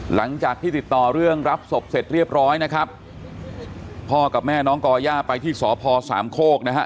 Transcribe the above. หลังจากที่ติดต่อเรื่องรับศพเสร็จเรียบร้อยนะครับพ่อกับแม่น้องก่อย่าไปที่สพสามโคกนะฮะ